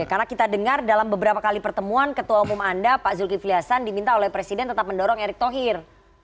karena kita dengar dalam beberapa kali pertemuan ketua umum anda pak yulgi fliassan diminta oleh presiden tetap mendorong erick thohir